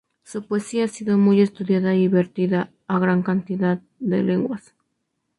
Su poesía ha sido muy estudiada y vertida a gran cantidad de lenguas.